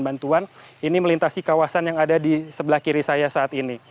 bantuan ini melintasi kawasan yang ada di sebelah kiri saya saat ini